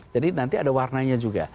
jadi nanti ada warnanya juga